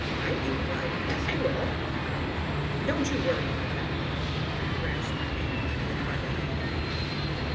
"Write you? I guess I will," I cried. "Don't you worry about that." We grasped hands and parted.